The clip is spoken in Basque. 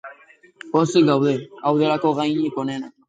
Pozik gaude, hau delako gainik onena.